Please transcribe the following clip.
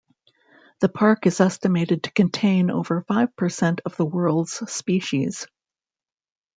The park is estimated to contain over five percent of the world's species.